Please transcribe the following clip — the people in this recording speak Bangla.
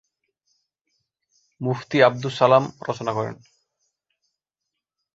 মুফতি আবদুস সালাম রচনা করেন।